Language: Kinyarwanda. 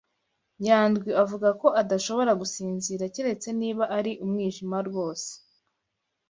Nyandwi avuga ko adashobora gusinzira keretse niba ari umwijima rwose.